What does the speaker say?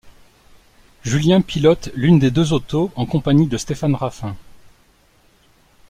Julien pilote l'une des deux autos en compagnie de Stéphane Raffin.